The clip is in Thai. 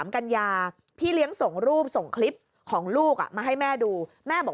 กันยาพี่เลี้ยงส่งรูปส่งคลิปของลูกมาให้แม่ดูแม่บอก